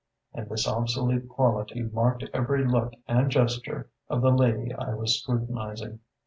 And this obsolete quality marked every look and gesture of the lady I was scrutinizing.